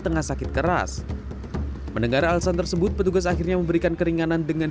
tengah sakit keras mendengar alasan tersebut petugas akhirnya memberikan keringanan dengan